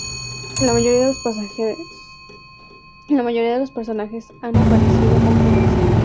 La mayoría de los personajes han aparecido con frecuencia.